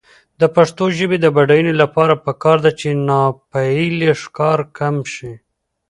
د پښتو ژبې د بډاینې لپاره پکار ده چې ناپییلي ښکار کم شي.